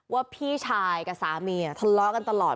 พี่ชายกับสามีทะเลาะกันตลอด